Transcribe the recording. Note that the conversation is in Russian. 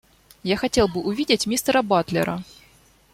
Я хотел бы увидеть мистера Батлера.